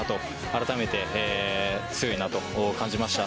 あらためて強いと感じました。